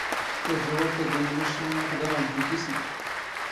ⴽⴰⴷⴰ ⵡⴰⴽⴰⴷⴰ ⵏ ⵉⵎⴰⵛⵛⵉⵡⵏ ⵉⵙⴳⴳⴰⵏⵏ ⴰⴷ ⵉⵃⴹⴰⵏ ⴳ ⴷⴷⵓ ⵜⵉⵙⵉ.